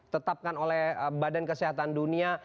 tetapkan oleh badan kesehatan dunia